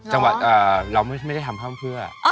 จังหวะเราไม่ได้ทำข้ามเพื่อ